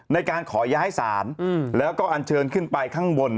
ในการขอย้ายศาลแล้วก็อันเชิญขึ้นไปข้างบน